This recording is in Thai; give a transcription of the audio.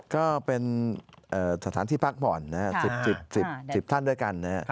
ก็เป็นสถานที่พักผ่อน๑๐ท่านด้วยกันนะครับ